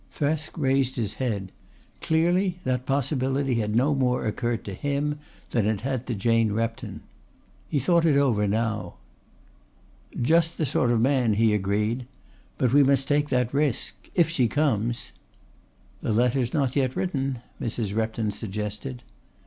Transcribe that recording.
Thresk raised his head. Clearly that possibility had no more occurred to him than it had to Jane Repton. He thought it over now. "Just the sort of man," he agreed. "But we must take that risk if she comes." "The letter's not yet written," Mrs. Repton suggested.